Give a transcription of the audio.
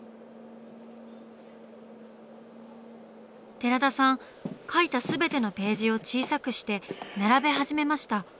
寺田さん描いた全てのページを小さくして並べ始めました。